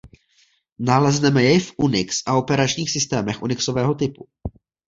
Nalezneme jej v Unix a operačních systémech unixového typu.